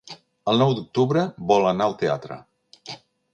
El nou d'octubre vol anar al teatre.